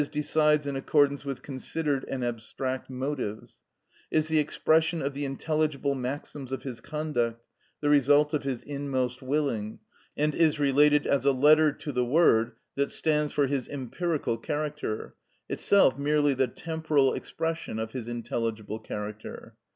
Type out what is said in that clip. _, decides in accordance with considered and abstract motives,—is the expression of the intelligible maxims of his conduct, the result of his inmost willing, and is related as a letter to the word that stands for his empirical character, itself merely the temporal expression of his intelligible character.